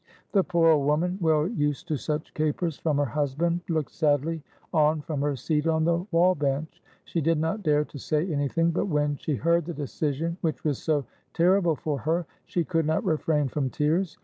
The poor old woman, well used to such capers from her husband, looked sadly on from her seat on the wall bench. She did not dare to say anything ; but when she heard the decision which was so terrible for her, she could not refrain from tears.